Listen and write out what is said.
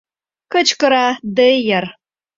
— кычкыра Дейер.